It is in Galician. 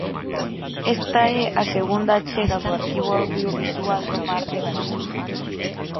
Esta é a segunda achega do Arquivo Audiovisual do Mar de Galicia.